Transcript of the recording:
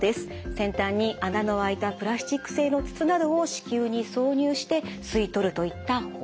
先端に穴の開いたプラスチック製の筒などを子宮に挿入して吸い取るといった方法。